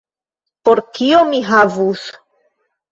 Por kio mi havus?